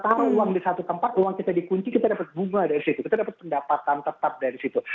taruh uang di satu tempat uang kita dikunci kita dapat bunga dari situ kita dapat pendapatan tetap dari situ